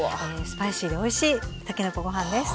スパイシーでおいしいたけのこご飯です。